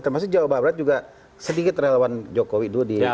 termasuk jawa barat juga sedikit relawan jokowi